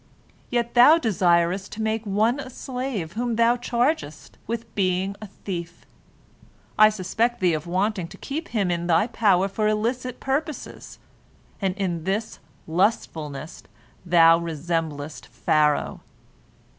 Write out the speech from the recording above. Yet thou desirest to make one a slave whom thou chargest with being a thief. I suspect thee of wanting to keep him in thy power for illicit purposes, and in this lustfulness thou resemblest Pharaoh.